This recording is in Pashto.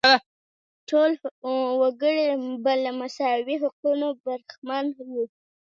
ټول وګړي به له مساوي حقونو برخمن وو.